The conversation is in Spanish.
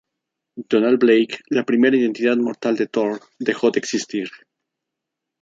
Donald Blake, la primera identidad mortal de Thor, dejó de existir.